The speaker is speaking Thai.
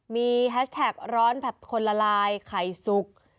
มีแฮชแท็กร้อนแบบคนละลายไข่สุก